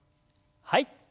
はい。